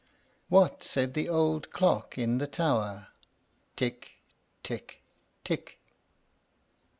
What said the old clock in the tower? "Tick, tick, tick!"